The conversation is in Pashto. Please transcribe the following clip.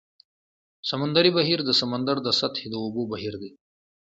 سمندري بهیر د سمندر د سطحې د اوبو بهیر دی.